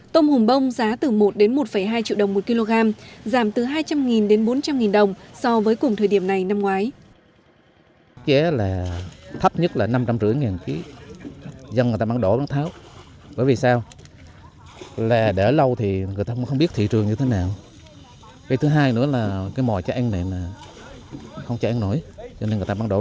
tôm hùm bông giá từ một đến một hai triệu đồng một kg giảm từ hai trăm linh đến bốn trăm linh đồng so với cùng thời điểm này năm ngoái